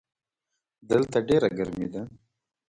دلته ډېره ګرمي ده.